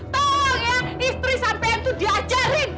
tolong ya istri sampai itu diajarin